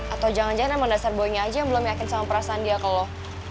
atau jangan jangan emang dasar boeingnya aja yang belum yakin sama perasaan dia kalau